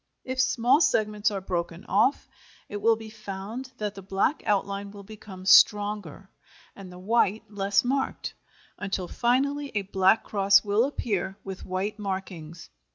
If small segments are broken off, it will be found that the black outline will become stronger, and the white less marked, until finally a black cross will appear, with white markings.